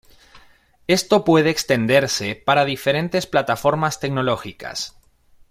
Esto puede extenderse para diferentes plataformas tecnológicas.